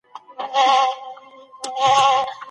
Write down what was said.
روژه د پرېښودو مرسته کوي.